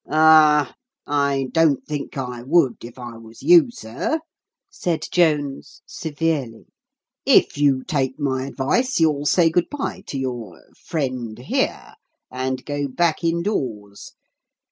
"Ah, I don't think I would, if I was you, sir," said Jones severely. "If you take my advice, you'll say good bye to your friend here, and go back indoors.